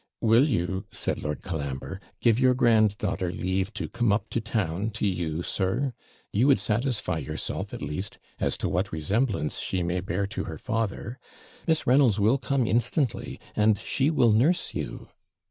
'Will you,' said Lord Colambre, 'give your grand daughter leave to come up to town to you, sir? You would satisfy yourself, at least, as to what resemblance she may bear to her father; Miss Reynolds will come instantly, and she will nurse you.'